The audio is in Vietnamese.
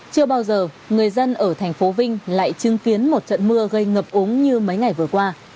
chưa bao giờ người dân ở thành phố vinh lại chứng kiến một trận mưa gây ngập úng như mấy ngày vừa qua